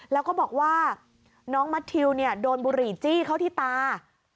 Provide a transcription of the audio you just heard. แล้วก็บอกว่าน้องมัททิวโดนบุหรี่จี้เข้าที่ตา